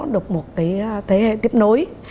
được một cái thế hệ tiếp nối